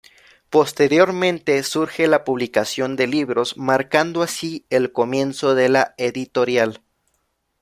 Posteriormente surge la publicación de libros, marcando así el comienzo de la Editorial.